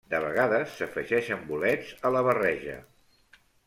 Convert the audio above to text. De vegades s'afegeixen bolets a la barreja.